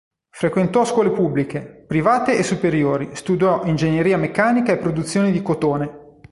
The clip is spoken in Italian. Frequentò scuole pubbliche, private e superiori, studiò ingegneria meccanica e produzione di cotone.